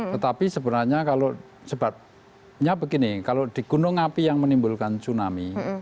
tetapi sebenarnya kalau sebabnya begini kalau di gunung api yang menimbulkan tsunami